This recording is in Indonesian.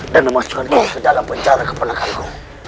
dan memasukkan kita ke dalam penjara kepenangkanku